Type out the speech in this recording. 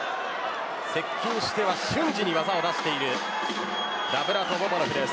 接近しては瞬時に技を出しているダブラト・ボボノフです。